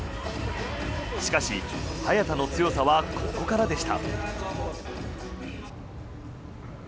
しかし早田の強さはここからでした。